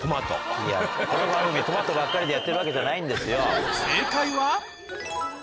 この番組トマトばっかりでやってるわけじゃないんですよ。